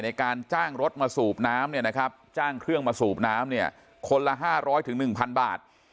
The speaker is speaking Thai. ในการจ้างรถมาสูบน้ำจ้างเครื่องมาสูบน้ำคนละ๕๐๐๑๐๐๐บาท